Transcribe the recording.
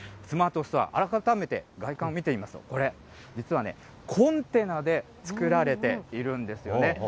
スマートストア、改めて外観を見てみますと、これ、実はね、コンテナで作られているんですよね。